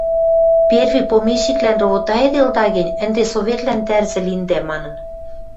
«Перви помещиклӓн ровотайыделда гӹнь, ӹнде Советлӓн тӓрзӹ линдӓ» манын